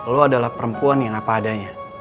lo adalah perempuan yang apa adanya